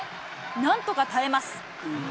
なんとか耐えます。